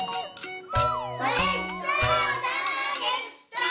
ごちそうさまでした！